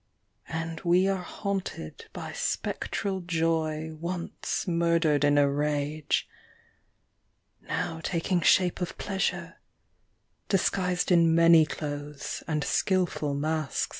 And we are haunted By spectral Joy once murdered in a rage, Now taking shape of Pleasure, Disguised in many clothes and skilful masks.